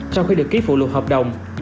sau khi được ký phụ lục hợp đồng